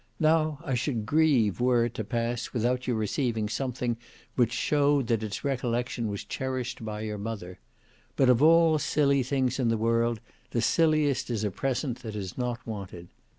Now I should grieve were it to pass without your receiving something which showed that its recollection was cherished by your mother. But of all silly things in the world, the silliest is a present that is not wanted.